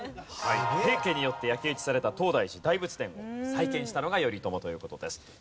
平家によって焼き討ちされた東大寺大仏殿を再建したのが頼朝という事です。